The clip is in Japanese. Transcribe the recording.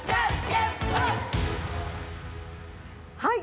はい！